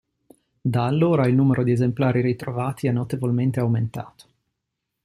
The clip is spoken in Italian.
Da allora, il numero di esemplari ritrovati è notevolmente aumentato.